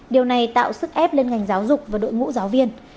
điều này tạo sức ép lên ngành giáo dục và đội ngũ giáo viên